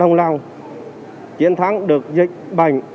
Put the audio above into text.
đồng lòng chiến thắng được dịch bệnh